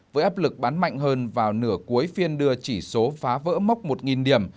với áp lực bán mạnh hơn vào nửa cuối phiên đưa chỉ số phá vỡ mốc một điểm